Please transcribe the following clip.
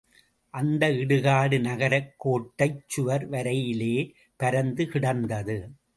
அந்த இடுகாடு நகரக் கோட்டைச் சுவர் வரையிலே பரந்து கிடந்தது.